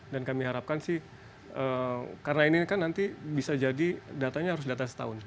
kami harapkan sih karena ini kan nanti bisa jadi datanya harus data setahun